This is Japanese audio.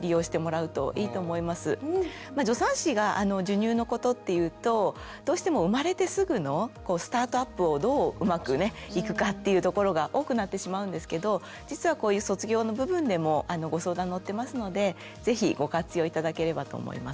助産師が授乳のことっていうとどうしても生まれてすぐのスタートアップをどううまくねいくかっていうところが多くなってしまうんですけど実はこういう卒業の部分でもご相談乗ってますので是非ご活用頂ければと思います。